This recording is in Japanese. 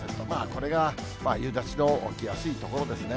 これが夕立の起きやすい所ですね。